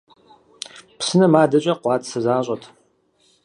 Псынэм адэкӀэ къуацэ защӀэт.